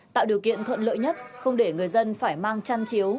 tạo điều kiện thuận lợi nhất không để người dân phải mang chăn chiếu